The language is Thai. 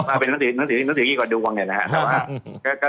อันนั้นหนังสือกี้การดูวะเหอะค่ะ